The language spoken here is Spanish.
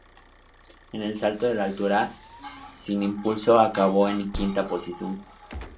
En el salto de altura sin impulso acabó en quinta posición.